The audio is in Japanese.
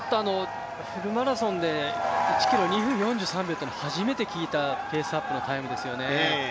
フルマラソンで１ｋｍ２分４３秒というのは初めて聞いたペースアップのタイミングですね。